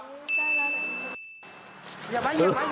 ได้แล้วนะครับ